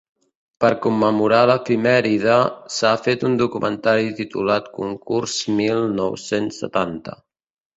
Per commemorar l’efemèride, s’ha fet un documentari titulat Concurs mil nou-cents setanta.